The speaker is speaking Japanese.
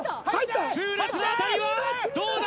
痛烈な当たりはどうだ？